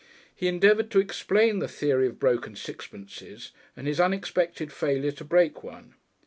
He endeavoured to explain the theory of broken sixpences and his unexpected failure to break one.